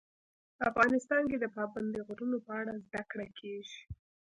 افغانستان کې د پابندي غرونو په اړه زده کړه کېږي.